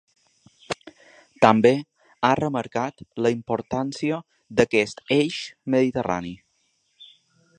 També ha remarcat la importància d’aquest eix mediterrani.